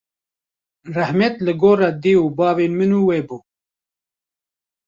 rehmet li gora dê û bavên min û we bû